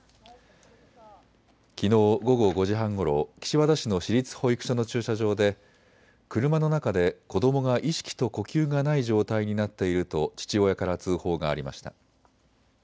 きのう午後５時半ごろ岸和田市の市立保育所の駐車場で車の中で子どもが意識と呼吸がない状態になっていると父親から通報がありました。